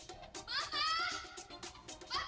tapi mau jual